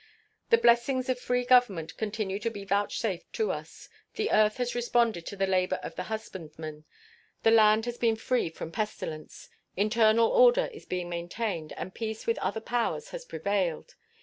The blessings of free government continue to be vouchsafed to us; the earth has responded to the labor of the husbandman; the land has been free from pestilence; internal order is being maintained, and peace with other powers has prevailed.